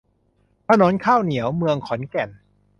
ถนนข้าวเหนียว เมืองขอนแก่น